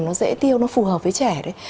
nó dễ tiêu nó phù hợp với trẻ đấy